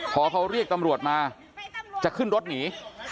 พอเขาเรียกตำรวจมาจะขึ้นรถหนี